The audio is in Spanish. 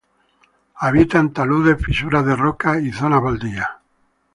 Habita, en taludes, fisuras de rocas y zonas baldías.